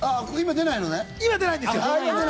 今、出ないんですよ。